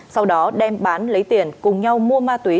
sau đó đem bán lấy tiền cùng nhau mua ma túy